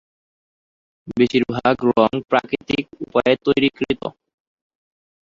বেশিরভাগ রঙ প্রাকৃতিক উপায়ে তৈরীকৃত।